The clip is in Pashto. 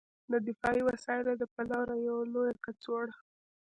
د دفاعي وسایلو د پلور یوه لویه کڅوړه